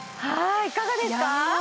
はーいいかがですか？